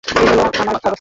এই হলো আমার অবস্থা।